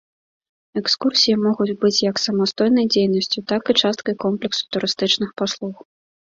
Экскурсіі могуць быць як самастойнай дзейнасцю, так і часткай комплексу турыстычных паслуг.